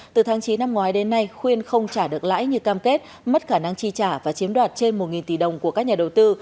từ tháng chín năm ngoái đến nay khuyên không trả được lãi như cam kết mất khả năng chi trả và chiếm đoạt trên một tỷ đồng của các nhà đầu tư